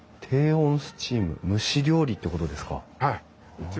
低温スチーム蒸し料理ってことですか？